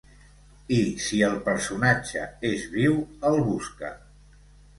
I si el personatge és viu, el busca.